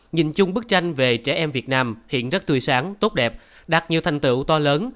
nhìn chung bức tranh về trẻ em việt nam hiện rất tươi sáng tốt đẹp đạt nhiều thành tựu to lớn